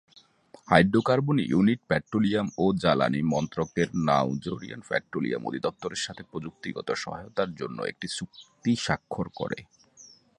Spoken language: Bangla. হাইড্রোকার্বন ইউনিট পেট্রোলিয়াম ও জ্বালানি মন্ত্রকের নরওয়েজিয়ান পেট্রোলিয়াম অধিদফতরের সাথে প্রযুক্তিগত সহায়তার জন্য একটি চুক্তি স্বাক্ষর করে।